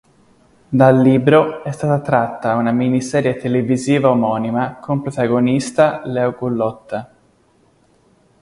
Dal libro è stata tratta una miniserie televisiva omonima con protagonista Leo Gullotta.